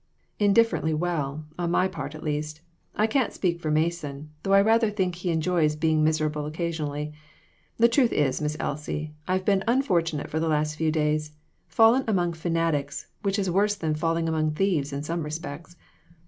" Indifferently well ; on my part, at least. I can't speak for Mason, though I rather think he enjoys being miserable occasionally. The truth is, Miss Elsie, I've been unfortunate for the last few days fallen among fanatics, which is worse than falling among thieves in some respects.